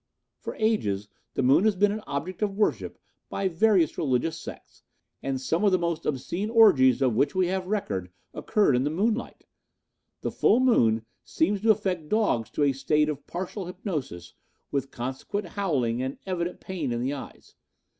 "For ages the moon has been an object of worship by various religious sects, and some of the most obscene orgies of which we have record occurred in the moonlight. The full moon seems to affect dogs to a state of partial hypnosis with consequent howling and evident pain in the eyes.